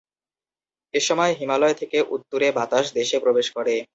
এসময় হিমালয় থেকে উত্তুরে বাতাস দেশে প্রবেশ করে।